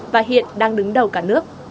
và hiện đang đứng đầu cả nước